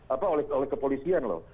apa oleh kepolisian loh